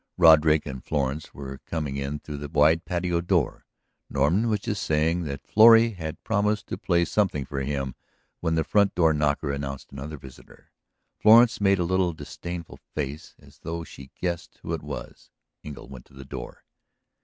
Roderick and Florence were coming in through the wide patio door; Norton was just saying that Florrie had promised to play something for him when the front door knocker announced another visitor. Florence made a little disdainful face as though she guessed who it was; Engle went to the door.